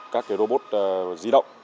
các robot di động